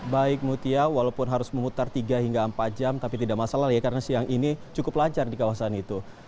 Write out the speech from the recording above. baik mutia walaupun harus memutar tiga hingga empat jam tapi tidak masalah ya karena siang ini cukup lancar di kawasan itu